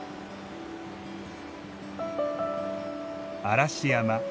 嵐山。